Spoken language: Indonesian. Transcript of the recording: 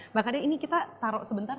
mbak kade ini kita taruh sebentar